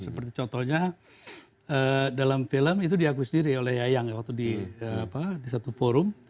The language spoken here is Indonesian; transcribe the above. seperti contohnya dalam film itu diakui sendiri oleh yayang waktu di satu forum